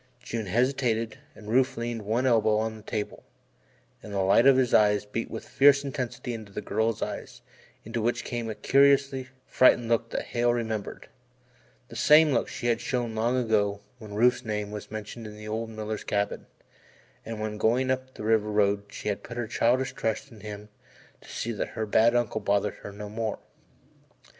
June hesitated and Rufe leaned one elbow on the table, and the light in his eyes beat with fierce intensity into the girl's eyes into which came a curious frightened look that Hale remembered the same look she had shown long ago when Rufe's name was mentioned in the old miller's cabin, and when going up the river road she had put her childish trust in him to see that her bad uncle bothered her no more.